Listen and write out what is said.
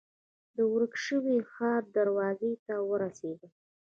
د ورک شوي ښار دروازې ته ورسېدم.